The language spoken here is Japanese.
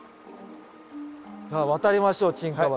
さあ渡りましょう沈下橋。